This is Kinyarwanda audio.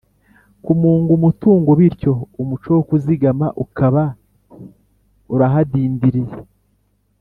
kumunga umutungo bityo umuco wo kuzigama ukaba urahadindiriye.